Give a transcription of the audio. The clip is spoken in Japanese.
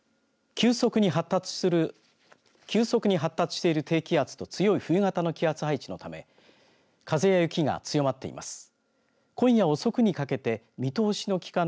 急速に発達する低気圧と強い冬型の気圧配置のため風や雪が強まっています。